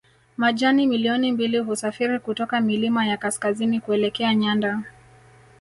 Majani milioni mbili husafiri kutoka milima ya kaskazini kuelekea nyanda